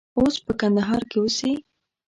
اوس په کندهار کې اوسي.